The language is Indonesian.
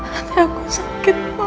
hati aku sakit mama